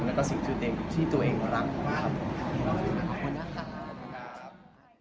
และก็สิ่งที่ตัวเองรักนะครับผม